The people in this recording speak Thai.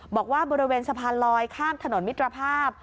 บอกว่าบริเวณสะพานลอยข้ามถนนมิตรภาพ